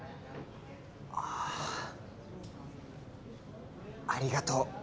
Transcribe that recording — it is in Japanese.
ああありがとう。